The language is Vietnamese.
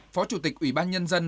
phó chủ tịch ủy ban nhân dân